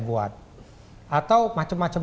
buat atau macam macam